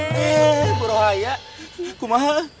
hei buruh haya kumaha